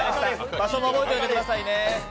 場所覚えておいてくださいね。